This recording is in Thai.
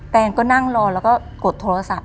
แนนก็นั่งรอแล้วก็กดโทรศัพท์